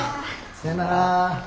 さよなら。